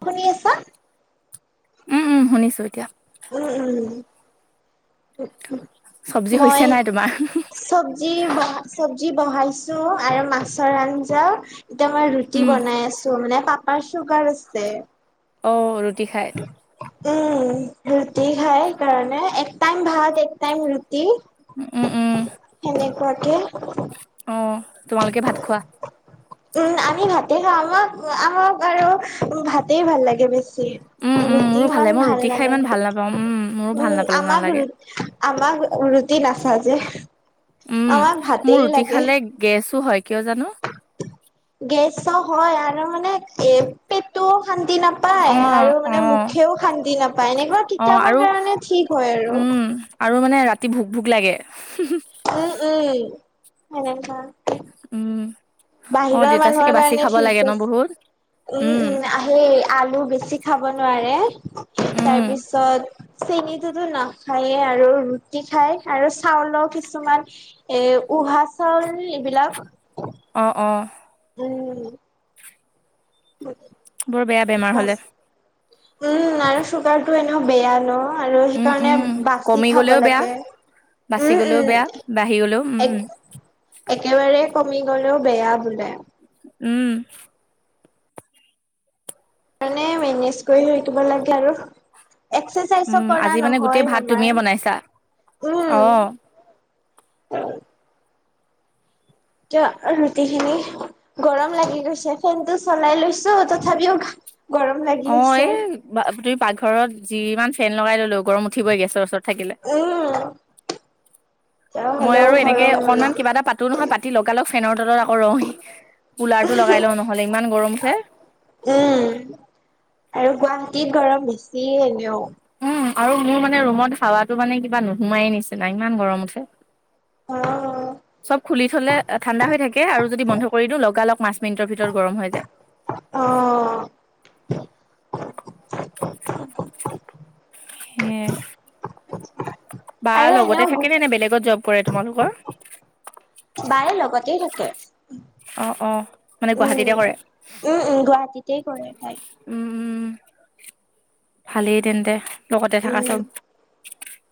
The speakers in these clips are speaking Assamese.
শুনি আছা উম উম শুনিছো এতিয়া উম উম উ উ চব্জি হৈছে মই নাই তোমাৰ? চবজি চবজি বহাই ছো আৰু মাছৰ আঞ্জাও এতিয়া মই ৰুটি উম, বনাই আছো মানে পা পাপাৰ চোগাৰ আছে অ ৰুটি খাই উম ৰুটি খাই সেইকাৰণে এক টাইম ভাত এক টাইম ৰু টি উম, উম, সেনেকুৱাকে অ তোমালোকে ভাত খোৱা উম আমি ভাতে খাওঁ আমাক আমাক আৰু ভাতে ভাল লাগে বেছি উম, উম, ৰুটি মোৰো ভালে ইমান মই ভাল ৰুটি খাই ইমান নালাগে ভাল নাপাওঁ। উম, মোৰো ভাল উম নাপাল আমাক ৰু নালাগে। আমাক ৰুটি নাখাওঁ যে উম মোৰ ৰুটি খালে গেছো হয় কিয় জানো গেছো হয় আৰু মানে এ পেটু শান্তি নাপায় আৰু অ', মানে অ', মুখেও শান্তি নাপায় এনেকুৱা অ', কেতিয়াবা আৰু কাৰণে ঠিক হয় আৰু [inaudible] [unintelligible] উম, আৰু মানে ৰাতি ভোক ভোক লাগে উ হয় [unintelligible] উম, অ', বাহিৰৰ দেউতা চাগে মানুহৰ বাচি কাৰণে খাব লাগে ঠিক ন আছে বহুত? উম উম সেই আলু বেছি খাব নোৱাৰে উম, তাৰপিছত চেনটোতো নাখায়েই আৰু ৰুটি খাই আৰু চাউলও কিছুমান এ উহা চাউল এইবিলাক অ', অ', উম [unintelligible] [unintelligible] বৰ বেয়া বেমাৰ হলে উম আৰু চুগাৰটো এনেক বেয়া আৰু উম, সেইকাৰণে উম, বাচি কমি খাব গ'লেও বেয়া, লাগে বাচি উম গ'লেও বেয়া, উম বাঢ়ি গ'লেও উম, এক উম, একেবাৰে কমি গলেও বেয়া বোলে উম মানে মেনেজ কৰি থাকিব লাগে আৰু এক্সাচাইজো উম, কৰা আজি মানে গোটেই নহয় ভাত তুমিয়ে বনাইছা? আমাৰ অ', উম উ [inaudible] [unintelligible] ত ৰুটি খিনি গৰম লাগি গৈছে ফেনতটো চলাই লৈছো তথাপিও গৰম লাগি অ আছে এ বা তুমি পাকঘৰত যিমান ফেন লগাই ললো গৰম উঠিবই গেছৰ ওচৰত। থাকিলে। উম তেওঁ মই হ'লেও আৰু এনেকে গৰম হল অকনমান কিবা এটা পাতো নহয় পাতি লগালগ ফেনৰ তলত। অ‌ কুলাৰটো লগাই লওঁ নহ'লে ইমান গৰমছে। উম আৰু গুৱাহাটীত গৰম বেছি এনেও। উম, আৰু মোৰ মানে ৰুমত হাৱাটো মানে কিবা নোসুমাইেই নিচিনা ইমান গৰম উঠে। চব খুলি থ'লে ঠাণ্ডা হৈ থাকে আৰু যদি বন্ধ কৰি দিওঁ লগা লগ পাঁচ মিনিটৰ ভিতৰত গৰম হৈ যায়। অ সে বা আৰু লগতে এনেও থাকেনে নে বেলেগত জব কৰে তোমালোকৰ। বায়ে লগতেই থাকে। অ', অ', মানে গুৱাহাটীতে উম কৰে? উম উম গুৱাহাটীতে কৰে তাই। উম, উম ভালেই তেন্তে লগতে থাকাতো উম, চব।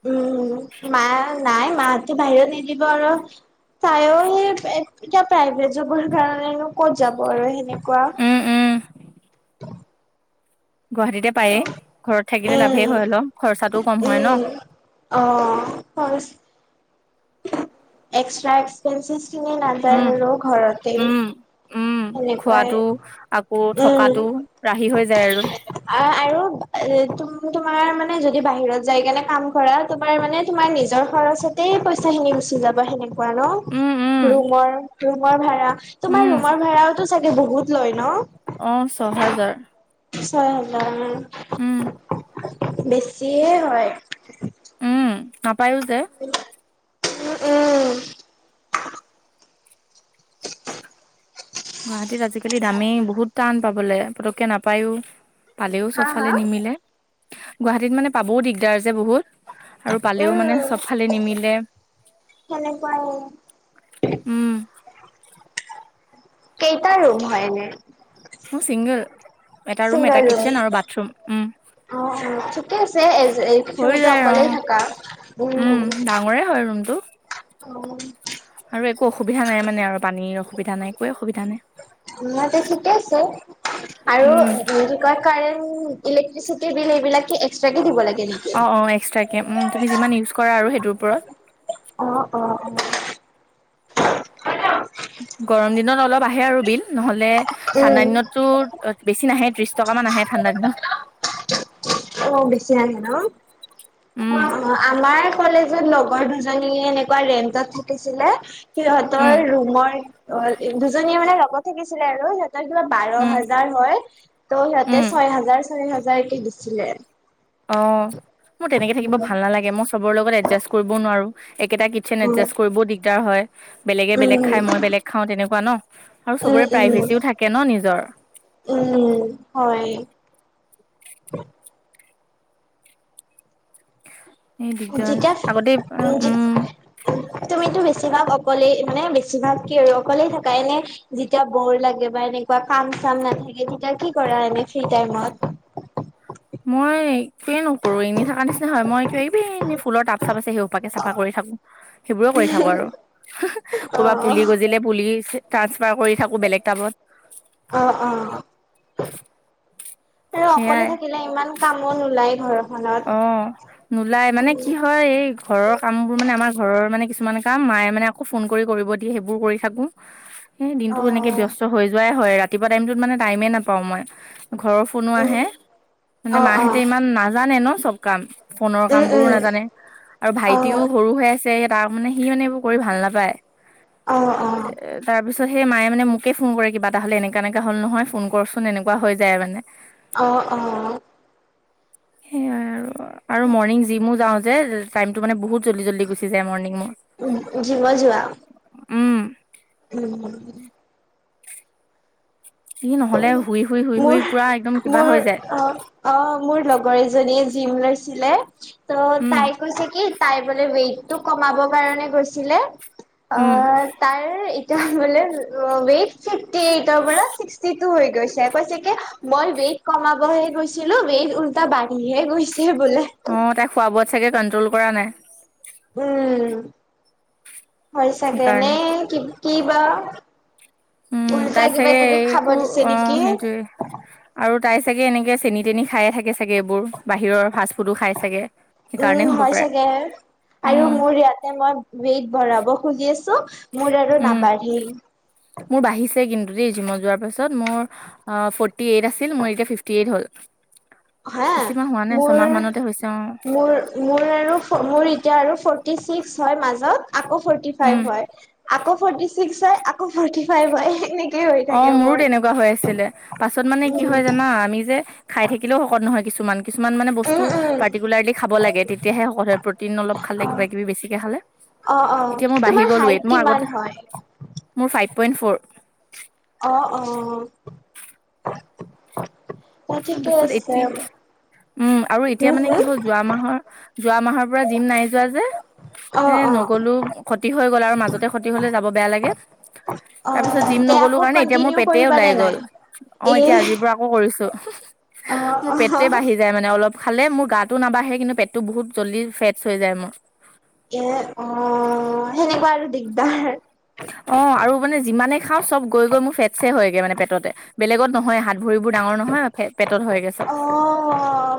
উম, মা নাই মাহতি বাহিৰত নিদিব আৰু। তাইও সেই এতিয়া প্ৰাইভেট জবৰ কাৰণেনো ক'ত যাব আৰু সেনেক। উম উম কোৱাহ গুৱাহাটীতে পায়েই ঘৰত থাকিলে লাভেই উম, হয় খৰচাটোও কম হয় ন উম, অ হয় এক্সট্ৰা এক্সপেসিছ খিনি আৰু উম নাপায় ৰ ঘৰতেই উম উম নেকুৱাই খোৱাটো আকৌ উম থকাটো ৰাহি হৈ যায় আৰু আহ আৰু তোমাৰ মানে যদি বাহিৰত যাই কেনে কাম কৰা তোমাৰ মানে তোমাৰ নিজৰ খৰচতে পইচা গুচি যাবা সেনেকুৱা ন উম উম ৰুমৰ ৰুমৰ ভাৰা উম ঘৰ ভাড়া চাগে বহুত লয় ন অ ছহেজাৰ ছয় হাজাৰ মান। উম বেছিয়ে হয় পায়ো যে উম উম গুৱাহতিত আজিকালি দামী বহুত টান পাবলৈ পতকে নাপায়ো। পালেও হা চব ফালে হা নিমিলে গুৱাহাটীত মানে পাবও দিগদাৰ যে বহুত। আৰু পালেও মানে উম চবফালে নিমিলে সেনেকুৱাই উম কেইটা ৰুম হয়নে? মোৰ চিংগল এটা ৰুম এটা কিটচেন আৰু বাথৰুম উম। অ অ ঠিকে আছে হৈ তুমিতো যায় অ অকলেই থাকা উম। কোনটো অ অসুবিধা নাই মানে আৰু পানীৰ অসুবিধা নাই একোৱে অসুবিধা নাই। ম ঠিকে আছে আৰু উম ভ ক কাৰেণ্ট ইলেক্ট্ৰিচিটিৰ বিল এইবিলাক এক্সট্ৰাক কে দিব লাগে। নেকি? অ অ এক্সট্ৰাকে তুমি যিমান ইউজ কৰা আৰু সেইটো অ', অ', ওপৰত। অ'। গৰম দিনত অলপ আহে আৰু বিল নহলে উম, ঠাণ্ডা দিনতো বেছি নাহে দ। টকামান আহে ঠাণ্ডা দিনত। অ বেছি লাহে ন অ উম অ আমাৰ। কলেজত লগৰ দুজনীয়ে এনেকুৱা ৰেন্টত থাকিছিলে সিহতৰ উম ৰুমৰ। অ দুজনীয়ে মানে লগত থাকিছিলে আৰু ত কিবা বাৰ উম হাজাৰ হয় ত' সিহঁতে উম ছয় হাজাৰ ছয় হাজাৰ কে দিছিলে। অ মোৰ তেনেকে থাকিব উম, ভাল নালাগে মই চবৰ লগত এডজাষ্ট কৰিবও নোৱাৰো। একেটা কিটচেন উম, এডজাষ্ট কৰিবও দিগদাৰ হয় বেলেগে বেলেগ খাই মই বেলেগ খাওঁ তেনেকুৱা ন। আৰু উম চবৰে উম প্ৰাইভেচিও থাকে ন নিজৰ উম হয়। উ [unintelligible] [unintelligible] এই দিগদাৰ যেতিয়া আগতে উম উম, তুমিতো বেছিভাগ অকলেই মানে বেছিভাগ কি হয় অকলেই থাকা এনে যেতিয়া বৰ লাগে বা এনেকুৱা কাম কাম নাথাকে তেতিয়া কি কৰা এনেই ফ্ৰী টাইমত মই একোৱেই নকৰোঁ এনেই থকা নিচিনা হয় মই এক এইব এনেই ফুলৰ টাব চাপ আছে সেই সোপাকে চাফা কৰি থাকো সেইবোৰো কৰি থাকো আৰু ক'বাত পুলি অ'। গজিলে পুলি ট্ৰাঞ্চফাৰ কৰি থাকোঁ বেলেগ টাবত অ অ আৰু অকলে সেয়াই থাকিলে ইমান কামো নোলায় ঘৰত অ নোলাই মানে কি হয় এই ঘৰৰ কামবোৰ মানে আমাৰ ঘৰৰ মানে কিছুমান কাম মায়ে মানে আকৌ ফোন কৰি কৰিব দিয়ে সেইবোৰ কৰি থাকো স দিনতটো এনেকে অ', ব্যস্ত হৈ যোৱাই হয় ৰাতিপুৱা টাইটোত মানে টাইমে নাপাও মই ঘৰৰ ফোনো উম, আহে মানে অ', মাহেঁতে অ', ইমান নাজানে ন চব কাম ফোনৰ কাম উম, বোৰো উম, নাজানে আৰু ভাইটিও অ'। সৰু হৈ আছে তাৰ মানে সি মানে এইবোৰ কৰি ভাল নাপায় অ', অ', এ তাৰপিছত সেই মায়ে মানে মোকে ফোন কৰে কিবা এটা হলে এনেকা এনেকা হল নহয় ফোন কৰচোন এনেকুৱা হৈ যায় মানে অহ অ সেইয়াই আৰু আৰু মৰ্ণিং জিমো যাওঁ যে টাইমটো মানে বহুত জল্দি জলদি গুচি যায় উম, জিমত যোৱা? মৰিংত উম সি নহ'লে শুই শুই শুই শুই মোৰ পুৰা একদম কিবা মোৰ হৈ যায় অ অ মোৰ লগৰ এজনীয়ে জিম লৈছিলে ত উম তাই কৈছে কি তাই বোলে ৱেইট কমাব কাৰণে গৈছিলে উম তাৰ এতিয়া বোলে ৱেট চিংটি এইটৰ পৰা ছিক্স চিষ্টি টো হৈ গৈছে কৈছে কি মই ৱেইট কমাবহে গৈছিলো ৱেইট উল্টা বাঢ়িহে গৈছে বোলে অ তাই খোৱা বোৱোত চাগে কন্ট্ৰল কৰা নাই উম হয় চাগে নে সেইকাৰণে কি কি বা উম তাই উল্টা কিবা চাগে অ কিবি একো খাব দিছে অ নেকি? সেইটোৱে আৰু তাই চাগে এনেকে চেনি তেন খায়ে থাকে চাগে এইবোৰ বাহিৰৰ ফাষ্ট ফুডো খাই চাগে সেইকাৰণে উম হ'ব হয় পাৰে চাগে আৰু উম মোৰ ইয়াতে মই ৱেইট বঢ়াব খুজি আছো মোৰ আৰু উম, নাবাঢ়ি মোৰ বাঢ়িছে কিন্তু জিমত যোৱাৰ পাছত মোৰ ফটি এইট আছিল মোৰ এতিয়া ফিফটি এইট হ'ল হা বেছিমাহ হোৱা নাই মোৰ ছমাহ মানতে হৈছে অ', মোৰ মোৰ আৰু মোৰ এতিয়া আৰু ফ ফৰ্তী ছিক্স হয় মাজত আকৌ ফৰ্টী উম, ফাইভ হয় আকৌ ফৰ্টি ছিক্স হয় আকৌ ফৰ্টি ফাইভ হয় এনে অ মোৰো তেনেকুৱা হৈ আছিলে পাছত মানে কি উম হয় জানা আমি যে খাই থাকিলেও শকত নহয় কিছুমান কিছুমান মানে বস্তু উম উম পাৰ্টিকুলাৰলি খাব লাগে তেতিয়াহে শকত হয় প্ৰটিন অলপ খালে কিবা কিবি বেছিকে খালে অ অ অ এতিয়া মোৰ বাঢ়ি তোমাৰ গ'ল হাইট ৱেট মোৰ কিমান আগতে হয়? মোৰ ফাইভ পইণ্ট ফৰ অ অ [unintelligible] [unintelligible] ঠিকে তাৰপিছত আছে এতিয়া উম আৰু এতিয়া হম মানে কি হম হ'ল যোৱা মাহৰ যোৱা মাহৰ পৰা জিম নাই যোৱা যে অ এনে অ নগলো ক্ষতি হৈ গ'ল আৰু মাজতে ক্ষতি হলে যাব বেয়া লাগে অ তাৰ পিছত জিম তে নগলো আকৌ কাৰণে এতিয়া মোৰ কন্টিনিউ পেটেই ওলাই কৰিবানে গল নাই? অ এতিয়া এ আজিৰ পৰা আকৌ কৰিছো অ', মোৰ পেটে অ', বাঢ়ি যায় মানে অলপ খালে মোৰ গাটো নাবাঢ়ে কিন্তু পেটটো বহুত জল্দি ফেটচ হৈ যায় মোৰ এ অ সেনেকুৱা আৰু দিগদাৰ অ আৰু মানে যিমানে খাওঁ চব গৈ গৈ মোৰ ফেটছে হয়গ মানে পেটতে বেলেগত নহয় হাত ভৰিবোৰ ডাঙৰ নহয় ফেট। অ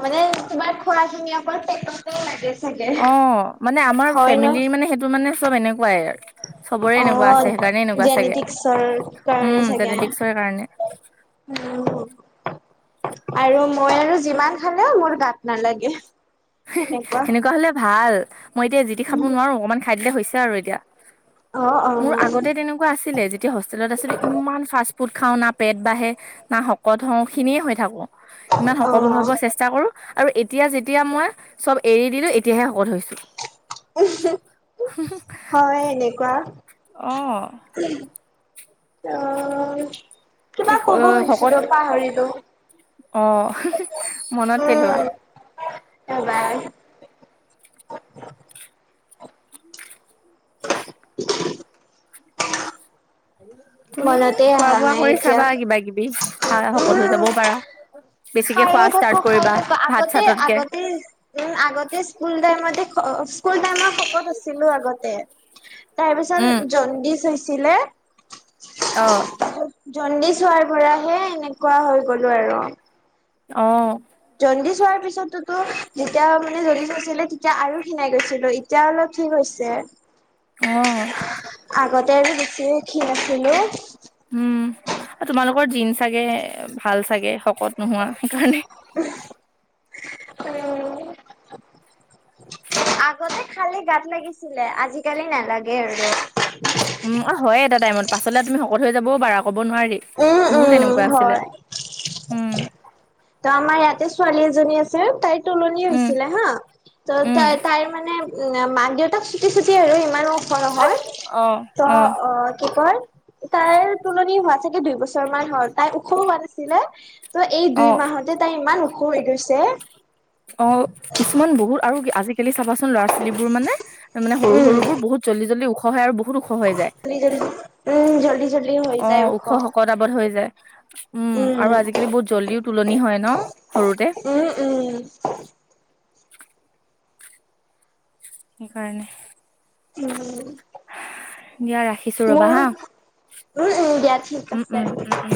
মানে তোমাৰ খোৱাখুনি অকল পেটতে লাগে। চাগে। অ মানে আমাৰ হয় ন'। ফেমিলিৰ মানে সেইটো মানে চব এনেকুৱাই আৰু চবৰে এনেকুৱা আছে অ', সেইকাৰণে এনেকুৱা চাগে জেনেটিক্সৰ কাৰণে উম চাগে। জেনেটিকসৰ কাৰণে। উম। আৰু মই আৰু যিমান খালেও মোৰ গাত নালাগে। সেনেকুৱা হলে ভাল মই এতিয়া জিতি খাব উম, নোৱাৰো অকনমান খাই দিলে হৈছে আৰু এতিয়া। অ', মোৰ অ', আগতে তেনেকুৱা আছিলে যেতিয়া হোষ্টেলত আছিলো ইমান ফা ফুট খাওঁ না পেট বাঢ়ে না শকত হওঁ খিনিয়ে হৈ থাকোঁ। ইমান সক অ', হ'ব চেষ্টা কৰো আৰু এতিয়া যেতিয়া মই চব এৰি দিলো এতিয়াহে শকত হৈছো। হয় এনেকুৱা উম। অ কিবা এই কব খুজিছিলো পাহৰিতো অহ মনত পেলোৱা? উম, ৰ'বা তুমি মনতে খোৱা অহা বোৱা নাই কৰি এতিয়া। চাবা কিবা কিবি খাই শকত হৈ উম, যাবও পাৰা বেছিকে খোৱা খায়ে থাকো ষ্টাৰ্ট খায়ে কৰিবা থাকো ভাত আগতে চাততকে আগতে আগতে স্কুল টাইমতে স্কুল টাইমত শকত আছিলো আগতে তাৰপিছত উম জনদিছ হৈছিল। চিলে। অ জণ্ডিছ হোৱাৰ পৰাহে এনেকুৱা হৈ গলো আৰু অ। জণ্ডি চ হোৱাৰ পিছতোতো যেতিয়া মানে জডি চ আছিলে তেতিয়া আৰু খিনাই গৈছিলো এতিয়া অলপ ঠিক আছে। অহ। আগতে আৰু বেছি খীন আছিলোঁ। উম আৰু তোমালোকৰ জিন চাগে ভাল চাগে শকত নোহোৱা সেইকাৰণে উম। খালে গাত লাগিছিলে আজিকালি নালাগে আৰু উম অ হয় এটা টাইমত পাছলে তুমি শকত হৈ যাব বাৰ আক উম মোৰো উম তেনেকুৱা আছিলে। হয় ত' আমাৰ ইয়াতে ছোৱালী এজনী আছে তাইৰ তোলনি উম, হৈছিলে হা ত' উম, তাই তাইৰ মানে উম মাক দেউতাক চুটি চুটি আৰু ইমানো ওখ নহৈ অ কি কয় তাইৰ তুলনি হোৱা চাগে দুইবছৰ মান হল তাই ওখো হোৱা নাছিলে। ত এই দুই অ', মাহতে তাই ইমান ওখ হৈ গৈছে। অ কিছুমান বহুত আৰু আজি কালি খেলি সৰু লৰা ছোৱালীবোৰ মানে মানে সৰু উম সৰু বোৰ বহুত জল্দি জল্দি ওখ হয় আৰু বহুত ওখ হৈ যায় জল্দি জল্দি উম জল্দি জল্দি হৈ অ যায় ওখ শক দাবত হৈ যায়। উম আৰু আজিকালি বহুত জল্দিও তুলনি হয় ন সৰুতে। উম উম সেইকাৰণে উম। দিয়া ৰাখিছো ৰবা হা। উ উ দিয়া ঠিক উম, আছে। উম, উম, উম।